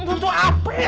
itu apa ya